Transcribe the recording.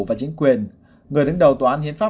và chính quyền người đứng đầu tòa án hiến pháp